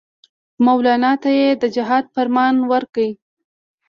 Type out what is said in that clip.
مولنا ته یې د جهاد فرمان ورکړ.